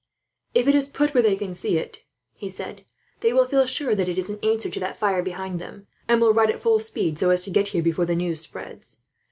"If it is put where they can see it," he said, "they will feel sure that it is in answer to that fire behind them, and will ride at full speed, so as to get here before the news spreads.